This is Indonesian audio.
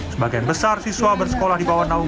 sebagian besar siswa bersekolah di bawah daya sekolah